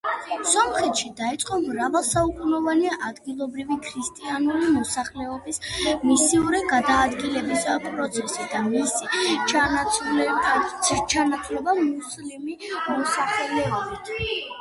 სომხეთში დაიწყო მრავალსაუკუნოვანი ადგილობრივი ქრისტიანული მოსახლეობის მასიური გადაადგილების პროცესი და მისი ჩანაცვლება მუსლიმი მოსახლეობით.